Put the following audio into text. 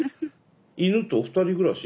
犬と二人暮らし？